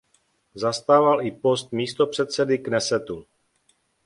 Zastával i post místopředsedy Knesetu.